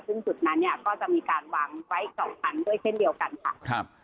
ซึ่งจุดนั้นเนี่ยก็จะมีการวางไว้สองชั้นด้วยเช่นเดียวกันค่ะครับ